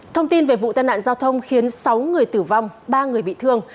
thông tin về vụ tai nạn giao thông khiến sáu người tử vong ba người bị thương